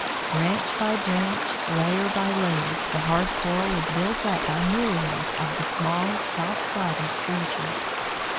Branch by branch, layer by layer, the hard Coral is built up by myriads of the small, soft bodied creatures.